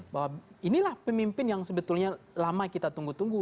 bahwa inilah pemimpin yang sebetulnya lama kita tunggu tunggu